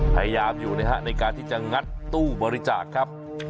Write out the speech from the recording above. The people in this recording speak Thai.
พยายามอยู่นะฮะในการที่จะงัดตู้บริจาคครับ